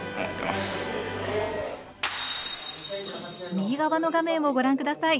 右側の画面をご覧ください。